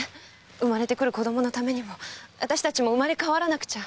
生まれてくる子供のためにもあたしたちも生まれ変わらなくちゃ。